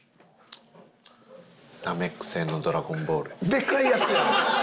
でかいやつや！